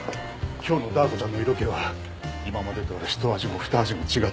今日のダー子ちゃんの色気は今までとは一味も二味も違ったぜ。